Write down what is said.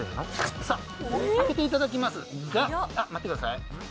開けていただきますが待ってください。